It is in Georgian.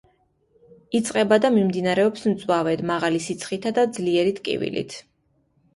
იწყება და მიმდინარეობს მწვავედ, მაღალი სიცხით და ძლიერი ტკივილით.